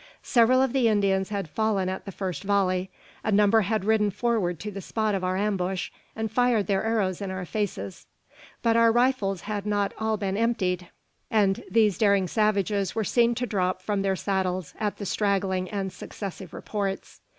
Several of the Indians had fallen at the first volley. A number had ridden forward to the spot of our ambush, and fired their arrows in our faces. But our rifles had not all been emptied; and these daring savages were seen to drop from their saddles at the straggling and successive reports.